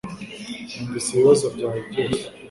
Numvise ibibazo byawe byose